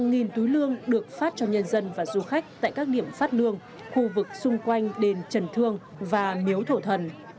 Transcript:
hàng nghìn túi lương được phát cho nhân dân và du khách tại các điểm phát lương khu vực xung quanh đền trần thương và miếu thổ thần